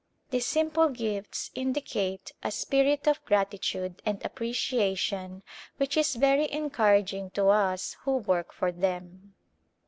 These simple gifts indicate a spirit of gratitude and apprecia tion which is very encouraging to us who work for them.